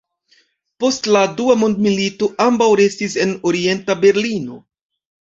Post la Dua mondmilito ambaŭ restis en Orienta Berlino.